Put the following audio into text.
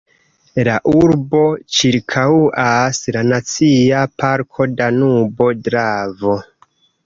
La urbon ĉirkaŭas la Nacia parko Danubo–Dravo.